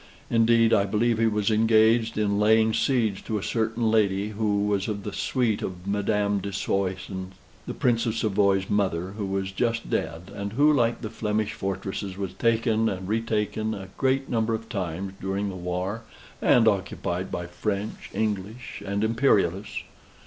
Indeed, I believe he was engaged in laying siege to a certain lady, who was of the suite of Madame de Soissons, the Prince of Savoy's mother, who was just dead, and who, like the Flemish fortresses, was taken and retaken a great number of times during the war, and occupied by French, English, and Imperialists.